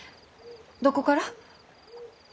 どこから？